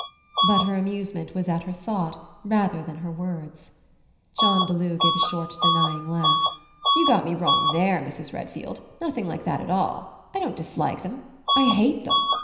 But her amusement was at her thought, rather than her words. John Bellew gave a short denying laugh. "You got me wrong there, Mrs. Redfield. Nothing like that at all. I don't dislike them, I hate them.